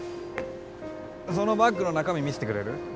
そのバッグの中身見せてくれる？